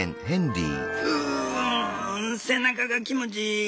「うん背中が気持ちいい。